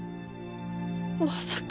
まさか！